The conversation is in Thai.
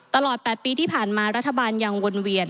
ตลอด๘ปีที่ผ่านมารัฐบาลยังวนเวียน